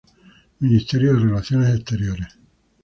Ministerio de Relaciones Exteriores